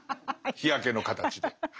日焼けの形で。